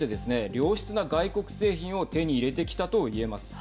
良質な外国製品を手に入れてきたといえます。